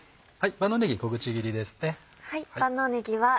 万能ねぎ小口切りですね。